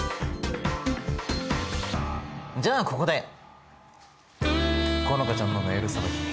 じゃあここで好花ちゃんのメールさばき